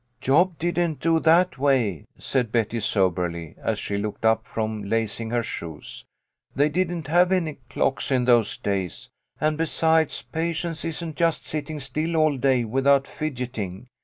"Job didn't do that way," said Betty, soberly, as she looked up from lacing her shoes. " They didn't have any clocks in those days, and besides, patience isn't just sitting still all day without fidgeting.